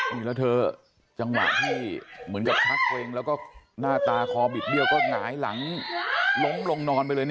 นี่แล้วเธอจังหวะที่เหมือนกับชักเกรงแล้วก็หน้าตาคอบิดเบี้ยวก็หงายหลังล้มลงนอนไปเลย